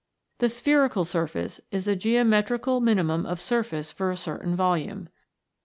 The spherical surface is the geometrical minimum of surface for a certain volume.